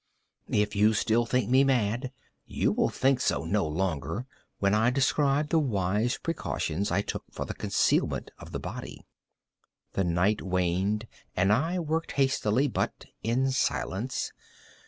If still you think me mad, you will think so no longer when I describe the wise precautions I took for the concealment of the body. The night waned, and I worked hastily, but in silence.